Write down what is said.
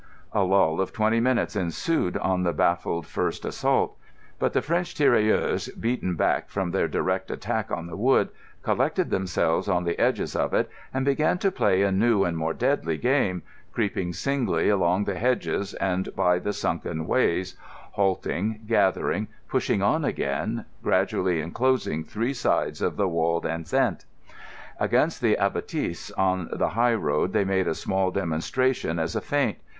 A lull of twenty minutes ensued on the baffled first assault. But the French tirailleurs, beaten back from their direct attack on the wood, collected themselves on the edges of it, and began to play a new and more deadly game, creeping singly along the hedges and by the sunken ways, halting, gathering, pushing on again, gradually enclosing three sides of the walled enceinte. Against the abattis on the high road they made a small demonstration as a feint.